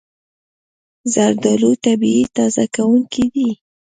زردالو طبیعي تازه کوونکی دی.